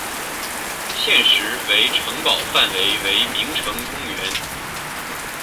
现时为城堡范围为名城公园。